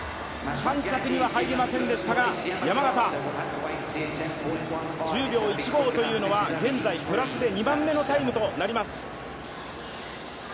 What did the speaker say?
３着には入れませんでしたが山縣１０秒１５というのは現在プラスで２番目のタイムとなります。